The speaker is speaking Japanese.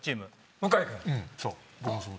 向井君。